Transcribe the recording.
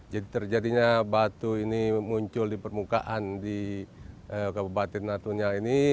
jadi terjadinya batu ini muncul di permukaan di kabupaten natuna ini